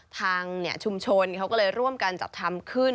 ทางชุมชนเขาก็เลยร่วมกันจัดทำขึ้น